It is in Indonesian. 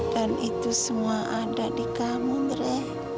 dan itu semua ada di kamu dre